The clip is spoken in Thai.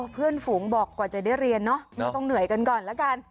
เพื่อนฝูงบอกกว่าจะได้เรียนเนอะไม่ต้องเหนื่อยกันก่อนละกัน